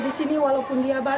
jadi kami juga merasa berpengalaman